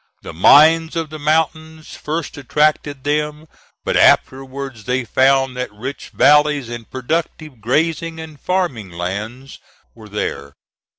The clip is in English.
The mines of the mountains first attracted them; but afterwards they found that rich valleys and productive grazing and farming lands were there.